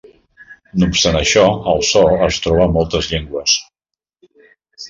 No obstant això, el so es troba a moltes llengües.